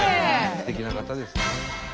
すてきな方ですね。